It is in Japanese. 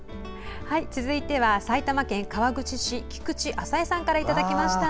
続いて埼玉県川口市菊池朝栄さんからいただきました。